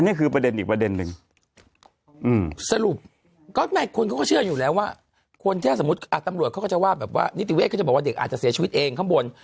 นี่คือประเด็นอีกประเด็นนึงสรุปก็ไม่คนเขาก็เชื่ออยู่แล้วว่าคนถ้าสมมุติตำรวจเขาก็จะว่าแบบว่านิติเวทก็จะบอกว่าเด็กอาจจะเสียชีวิตเองข้างบน